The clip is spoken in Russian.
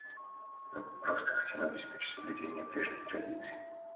Мы просто хотим обеспечить соблюдение прежних традиций.